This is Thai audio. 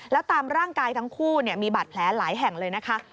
แล้วตามร่างกายทั้งคู่มีบาดแผลหลายแห่งเลยนะคะ